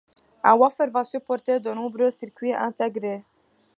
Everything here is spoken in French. Un wafer va supporter de nombreux circuits intégrés.